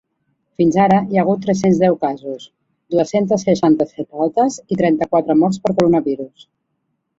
Fins ara, hi ha hagut tres-cents deu casos, dues-centes seixanta-set altes i trenta-quatre morts per coronavirus.